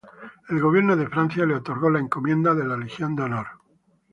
El Gobierno de Francia le otorgó la Encomienda de la Legión de Honor.